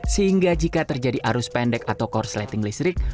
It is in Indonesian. sehingga jika terjadi arus pendek atau korsleting listrik